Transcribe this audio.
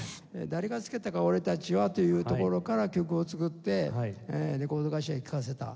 「誰がつけたかおれたちは」というところから曲を作ってレコード会社に聴かせた。